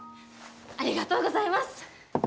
ありがとうございます。